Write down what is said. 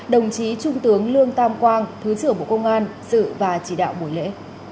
đồng chí trung tướng lương tam quang thứ trưởng bộ công an sự và chỉ đạo buổi lễ